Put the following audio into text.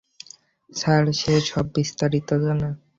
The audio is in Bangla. স্যার, সে সব বিস্তারিত জানে।